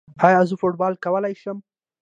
ایا زه فوټبال کولی شم؟